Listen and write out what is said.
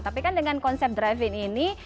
tapi kan dengan konsep drive in ini